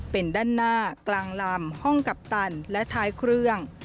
เป็นด้านหน้ากลางลำห้องกัปตันและท้ายเครื่อง